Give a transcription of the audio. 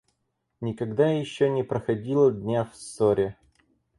Никогда еще не проходило дня в ссоре.